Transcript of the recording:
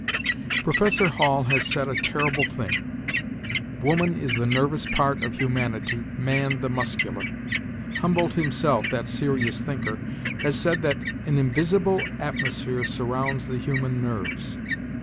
Professor Halle has said a terrible thing: "Woman is the nervous part of humanity, man the muscular." Humboldt himself, that serious thinker, has said that an invisible atmosphere surrounds the human nerves.